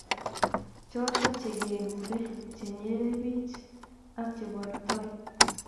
Choto che kekekure chenyere bich ak chebortoi